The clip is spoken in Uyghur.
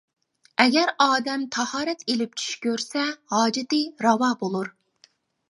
ئەگەر ئادەم تاھارەت ئېلىپ چۈش كۆرسە ھاجىتى راۋا بولۇر.